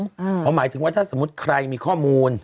เพราะหมายถึงว่าถ้าสมมุติใครมีข้อมูล